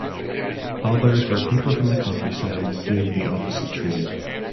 Others were people from the countryside doing the opposite trade.